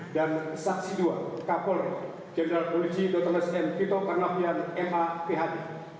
dan saksi dua kapolri general polisi dr nesken kito karnavian m a p h d